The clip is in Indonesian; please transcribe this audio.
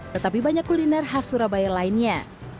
tetapi banyak kuliner khas surabaya lainnya